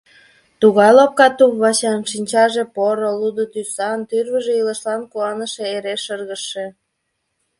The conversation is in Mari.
Тугай лопка туп-вачан, шинчаже поро, лудо тӱсан, тӱрвыжӧ илышлан куанышын эре шыргыжше.